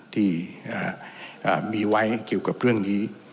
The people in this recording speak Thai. ที่มีไว้เกี่ยวกับเรื่องนี้